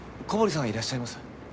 古堀さんはいらっしゃいます？